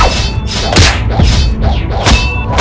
mereka semua berpikir seperti itu